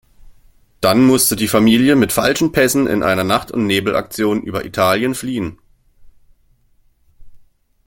Dann musste die Familie mit falschen Pässen in einer Nacht-und-Nebel-Aktion über Italien fliehen.